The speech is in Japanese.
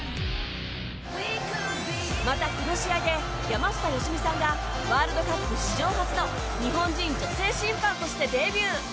また、この試合で山下良美さんがワールドカップ史上初の日本人女性審判としてデビュー。